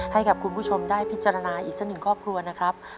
ให้กับคุณผู้ชมได้พิจารณาอีกสักหนึ่งครอบครัวนะครับ